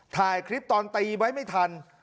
ถ่ายคลิปตอนตีไว้ไม่ทัน